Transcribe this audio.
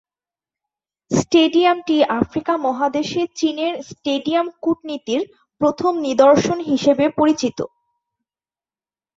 স্টেডিয়ামটি Africa মহাদেশে চীনের 'stadium' কূটনীতির প্রথম নিদর্শন হিসেবে পরিচিত।